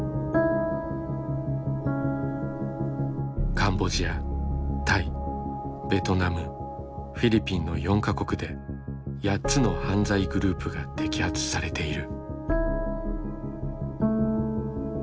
カンボジアタイベトナムフィリピンの４か国で８つの犯罪グループが摘発されている。